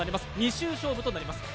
２周勝負となります。